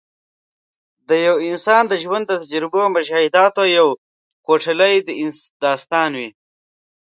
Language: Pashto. د یو انسان د ژوند د تجربو او مشاهداتو یو کوټلی داستان وي.